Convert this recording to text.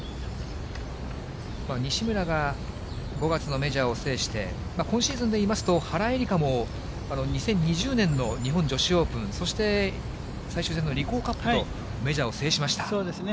西村が５月のメジャーを制して、今シーズンでいいますと、原英莉花も、２０２０年の日本女子オープン、そして最終戦のリコーカップと、メジャーを制しました。